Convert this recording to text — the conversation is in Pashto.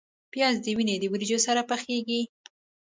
پیاز د وینې د وریجو سره پخیږي